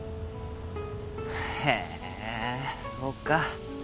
へえそうか。